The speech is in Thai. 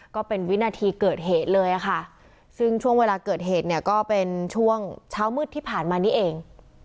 ก็เป็นวินาทีเกิดเหตุเลยค่ะซึ่งช่วงเวลาเกิดเหตุเนี่ยก็เป็นช่วงเช้ามืดที่ผ่านมานี้เอง